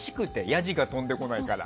やじが飛んでこないから。